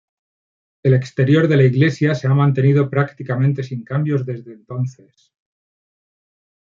El exterior de la iglesia se ha mantenido prácticamente sin cambios desde entonces.